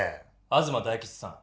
東大吉さん。